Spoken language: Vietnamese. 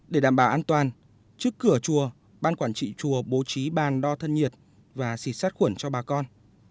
để đảm bảo an toàn trước cửa chùa ban quản trị chùa bố trí bàn đo thân nhiệt và xịt sát khuẩn cho bà con